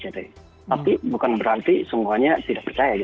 tapi bukan berarti semuanya tidak percaya